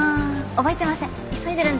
覚えてません。